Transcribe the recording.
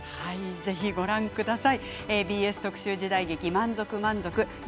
ぜひご覧ください。